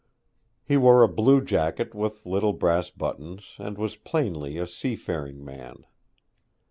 He wore a blue jacket with little brass buttons, and was plainly a seafaring man.